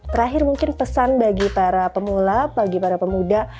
terakhir mungkin pesan bagi para pemula bagi para pemuda